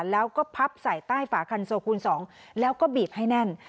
แล้วก็พับใส่ใต้ฝาคันโซคูณ๒แล้วก็บีบให้แน่น